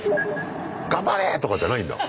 「頑張れ！」とかじゃないんだ。